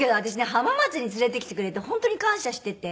浜松に連れて来てくれて本当に感謝してて。